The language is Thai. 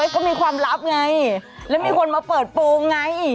ก็มีความลับไงแล้วมีคนมาเปิดโปรงไง